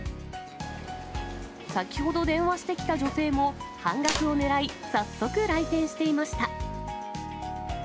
先ほど電話してきた女性も、半額をねらい、早速来店していました。